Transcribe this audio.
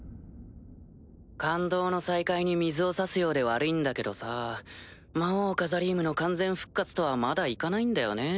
感動の再会に水を差すようで悪いんだけどさ魔王カザリームの完全復活とはまだ行かないんだよね。